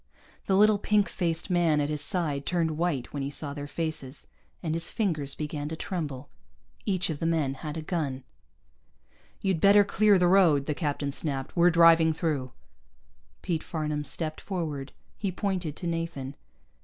The little pink faced man at his side turned white when he saw their faces, and his fingers began to tremble. Each of the men had a gun. "You'd better clear the road," the captain snapped. "We're driving through." Pete Farnam stepped forward. He pointed to Nathan.